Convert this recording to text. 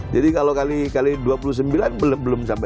jadi kalau kali dua puluh sembilan belum sampai seratus